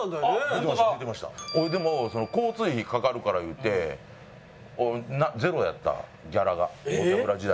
でも交通費かかるから言うてゼロやったギャラが『ボキャブラ』時代。